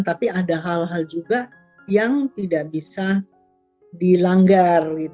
tapi ada hal hal juga yang tidak bisa dilanggar